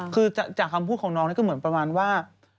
คือจากคำผู้ของน้องก็เป็นกับประมาณว่า